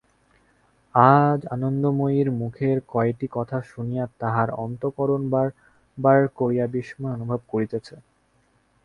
আজ আনন্দময়ীর মুখের কয়টি কথা শুনিয়া তাহার অন্তঃকরণ বার বার করিয়া বিস্ময় অনুভব করিতেছে।